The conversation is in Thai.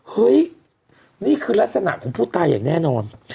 เฮ้ยนี่คือลักษณะของผู้ตายอย่างแน่นอน